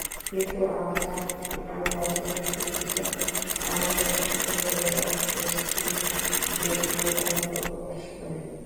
কিন্তু আমার নামে অর্থনীতি বিষয় অন্তর্ভুক্ত করে অনুপস্থিত দেখিয়ে ফলাফল প্রকাশ করেনি।